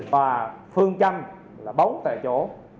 và phương chăm là bóng tại chỗ